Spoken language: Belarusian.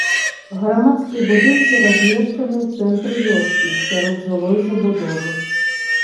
Грамадскія будынкі размешчаны ў цэнтры вёскі, сярод жылой забудовы.